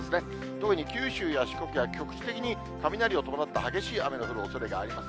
特に九州や四国は局地的に雷を伴った激しい雨の降るおそれがあります。